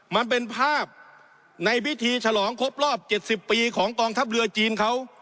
มันเป็นภาพในพิธีฉลองครบรอบ๗๐ปีของกองทัพเรือจีนเขา